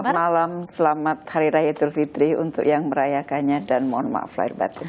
selamat malam selamat hari raya idul fitri untuk yang merayakannya dan mohon maaf lahir batin